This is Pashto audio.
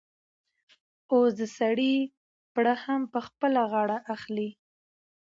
او د سړي پړه هم په خپله غاړه اخلي.